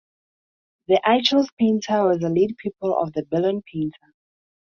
The Achilles Painter was a late pupil of the Berlin Painter.